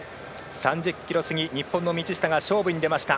３０ｋｍ過ぎ日本の道下が勝負に出ました。